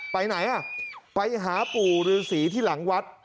ไปไหนอ่ะไปหาปู่ฤษีที่หลังวัด